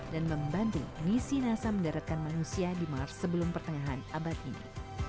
dan membantu misi nasa mendaratkan manusia di mars sebelum pertengahan abad ini